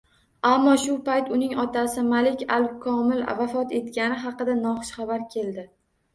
Ammo shu payt uning otasi Malik al-Komil vafot etgani haqida noxush xabar keldi